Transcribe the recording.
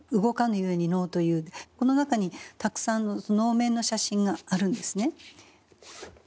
この中にたくさん能面の写真があるんですね。